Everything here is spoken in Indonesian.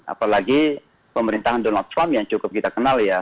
apalagi pemerintahan donald trump yang cukup kita kenal ya